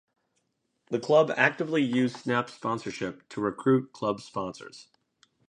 The club actively use snap sponsorship to recruit club sponsors.